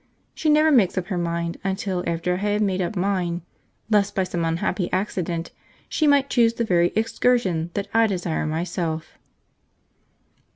She never makes up her mind until after I have made up mine, lest by some unhappy accident she might choose the very excursion that I desire myself.